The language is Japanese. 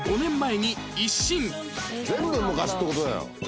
「全部昔って事だよ」